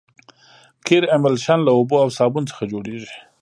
قیر املشن له اوبو او صابون څخه جوړیږي